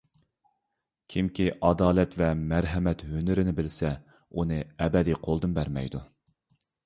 كىمكى ئادالەت ۋە مەرھەمەت ھۈنىرىنى بىلسە، ئۇنى ئەبەدىي قولىدىن بەرمەيدۇ.